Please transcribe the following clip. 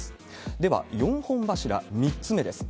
では、４本柱、３つ目です。